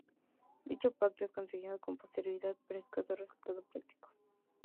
Dicho pacto es conseguido con posterioridad, pero de escaso resultado práctico.